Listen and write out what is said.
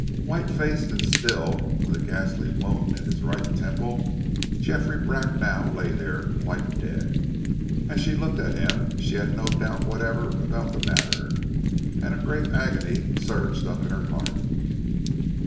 White faced and still, with a ghastly wound in his right temple, Geoffrey Bracknell lay there, quite dead. As she looked at him, she had no doubt whatever about the matter, and a great agony surged up in her heart.